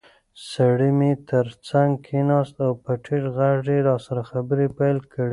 سړی مې تر څنګ کېناست او په ټیټ غږ یې راسره خبرې پیل کړې.